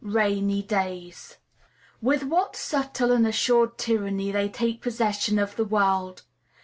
Rainy Days. With what subtle and assured tyranny they take possession of the world!